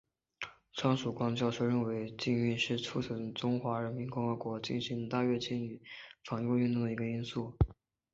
张曙光教授认为禁运是促成中华人民共和国进行大跃进与反右运动的一个因素。